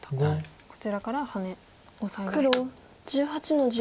こちらからハネオサエが。